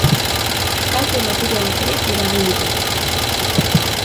Kalte materialak ere eragin dituzte.